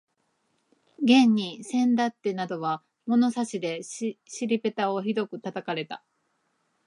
現にせんだってなどは物差しで尻ぺたをひどく叩かれた